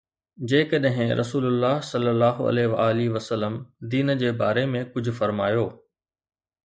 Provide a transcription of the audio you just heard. جيڪڏهن رسول الله صلي الله عليه وآله وسلم دين جي باري ۾ ڪجهه فرمايو.